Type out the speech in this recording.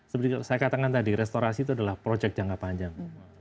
seperti saya katakan tadi restorasi itu adalah proyek jangka panjang